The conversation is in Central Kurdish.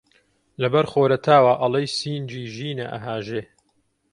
لەبەر خۆرەتاوا ئەڵێی سینگی ژینە ئەهاژێ